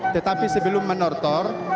tetapi sebelum manortor